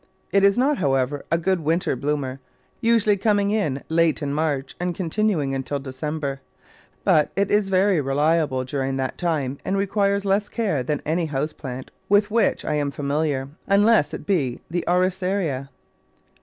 It is not, however, a good winter bloomer, usually coming in late in March and continuing until December, but it is very reliable during that time and requires less care than any house plant with which I am familiar, unless it be the Araucaria.